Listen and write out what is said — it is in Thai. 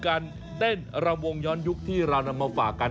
การเต้นรำวงย้อนยุคที่เรานำมาฝากกัน